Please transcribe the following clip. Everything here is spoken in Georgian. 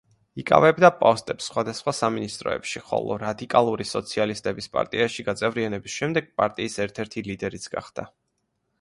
იკავებდა პოსტებს სხვადასხვა სამინისტროებში, ხოლო რადიკალური სოციალისტების პარტიაში გაწევრიანების შემდეგ პარტიის ერთ-ერთი ლიდერიც გახდა.